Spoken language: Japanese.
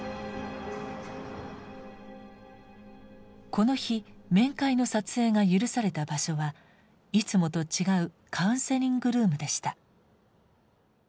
この日面会の撮影が許された場所はいつもと違うカウンセリングルームでした。